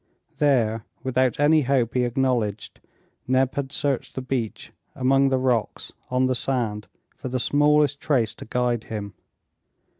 There, without any hope he acknowledged, Neb had searched the beach, among the rocks, on the sand, for the smallest trace to guide him.